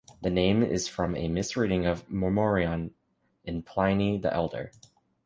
The name is from a misreading of "mormorion" in Pliny the Elder.